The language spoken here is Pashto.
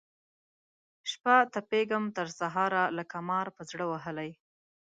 شپه تپېږم تر سهاره لکه مار پر زړه وهلی